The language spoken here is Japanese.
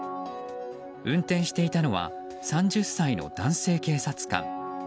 運転していたのは３０歳の男性警察官。